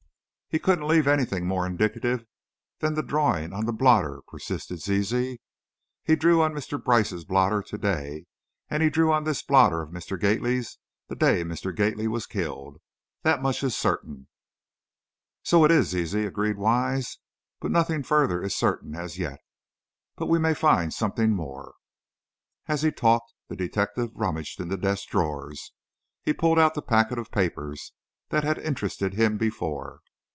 "He couldn't leave anything more indicative than the drawing on the blotter," persisted Zizi. "He drew on Mr. Brice's blotter today and he drew on this blotter of Mr. Gately's the day Mr. Gately was killed. That much is certain." "So it is, Zizi," agreed Wise; "but nothing further is certain as yet. But we may find something more." As he talked the detective rummaged in the desk drawers. He pulled out the packet of papers that had interested him before.